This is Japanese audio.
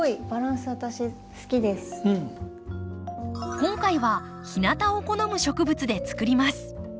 今回は日なたを好む植物でつくります。